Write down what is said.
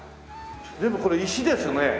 全部これ石ですね。